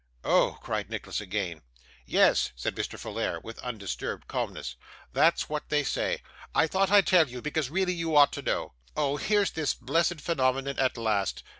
'Oh!' cried Nicholas again. 'Yes,' said Mr. Folair, with undisturbed calmness, 'that's what they say. I thought I'd tell you, because really you ought to know. Oh! here's this blessed phenomenon at last.